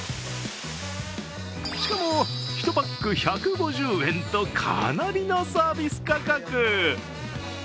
しかも、１パック１５０円とかなりのサービス価格。